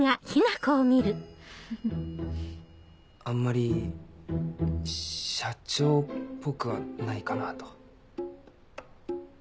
あんまり社長っぽくはないかなと。